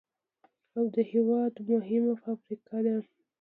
او د هېواد مهمه فابريكه ده،